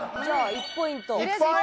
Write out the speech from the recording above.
１ポイント！